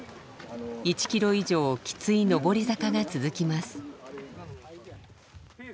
１キロ以上きつい上り坂が続きます。